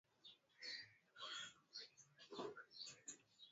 nusu ya pili wamegawanyika kati ya Waorthodoksi asilimia kumi na moja